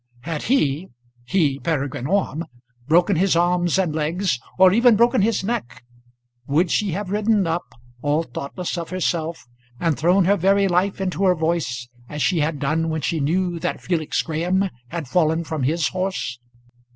Had he, he, Peregrine Orme, broken his arms and legs, or even broken his neck, would she have ridden up, all thoughtless of herself, and thrown her very life into her voice as she had done when she knew that Felix Graham had fallen from his horse?